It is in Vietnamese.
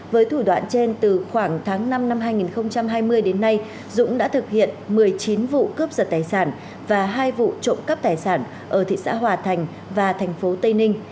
với thủ đoạn trên từ khoảng tháng năm năm hai nghìn hai mươi đến nay dũng đã thực hiện một mươi chín vụ cướp giật tài sản và hai vụ trộm cắp tài sản ở thị xã hòa thành và thành phố tây ninh